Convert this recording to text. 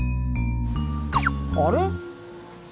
あれ？